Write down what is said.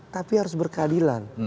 tapi harus berkeadilan